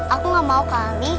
aku nggak mau kali